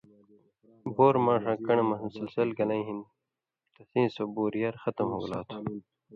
بوروۡ ماݜاں کن٘ڑہۡ مہ مسلسل گلَیں ہِن تسیں سو بُوریار ختم ہوگلا تُھو۔